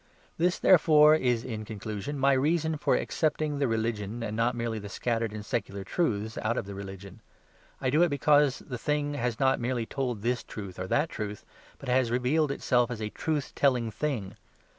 This, therefore, is, in conclusion, my reason for accepting the religion and not merely the scattered and secular truths out of the religion. I do it because the thing has not merely told this truth or that truth, but has revealed itself as a truth telling thing.